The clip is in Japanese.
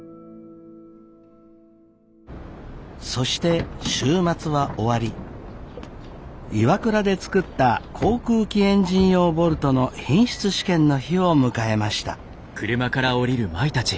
そして週末は終わりＩＷＡＫＵＲＡで作った航空機エンジン用ボルトの品質試験の日を迎えました。